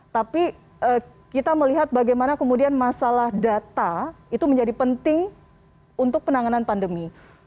jadi kita melihat bagaimana kemudian masalah data itu menjadi penting untuk penanganan pandemi